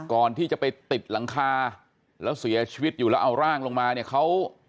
ก่อนที่จะไปติดหลังคาแล้วเสียชีวิตอยู่แล้วเอาร่างลงมาเนี่ยเขา